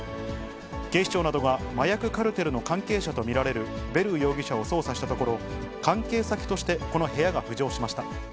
警視庁などが、麻薬カルテルの関係者と見られるベルー容疑者を捜査したところ、関係先としてこの部屋が浮上しました。